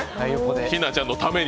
日奈ちゃんのために。